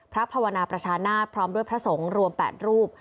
ภาวนาประชานาศพร้อมด้วยพระสงฆ์รวม๘รูป